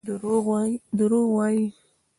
دروغ وايي.